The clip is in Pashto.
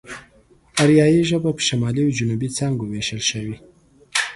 آريايي ژبه په شمالي او جنوبي څانگو وېشل شوې.